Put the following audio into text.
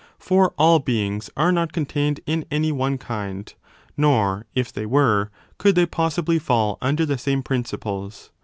For all beings are not con tained in any one kind, nor, if they were, could they possibly fall under the same principles.